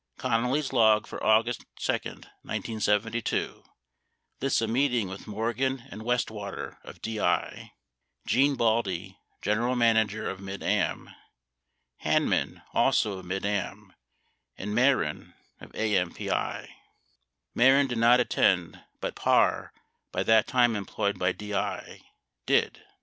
Connally's log for August 2, 1972, lists a meeting with Morgan and Westwater of DI, Gene Baldi, general manager of Mid Am, Hanman also of Mid Am, and Mehren of AMPI. 69 Mehren did not attend, but Parr, by that time em ployed by DI, did.